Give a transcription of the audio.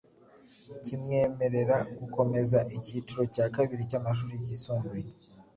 kimwemerera gukomeza Ikiciro cya Kabiri cy’Amashuri Yisumbuye,